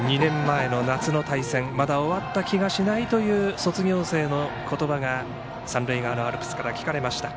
２年前の夏の対戦まだ終わった気がしないという卒業生の言葉が三塁側のアルプスから聞かれました。